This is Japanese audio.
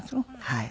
はい。